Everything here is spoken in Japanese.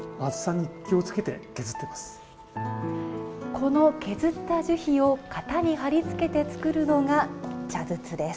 この削った樹皮を型に貼り付けて作るのが茶筒です。